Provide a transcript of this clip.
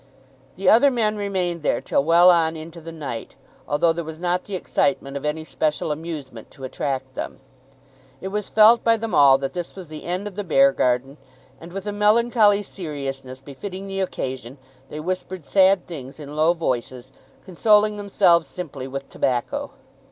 The other men remained there till well on into the night, although there was not the excitement of any special amusement to attract them. It was felt by them all that this was the end of the Beargarden, and, with a melancholy seriousness befitting the occasion, they whispered sad things in low voices, consoling themselves simply with tobacco.